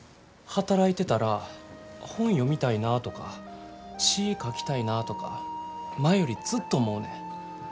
働いてたら本読みたいなとか詩ぃ書きたいなぁとか前よりずっと思うねん。